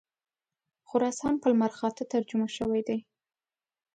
خراسان په لمرخاته ترجمه شوی دی.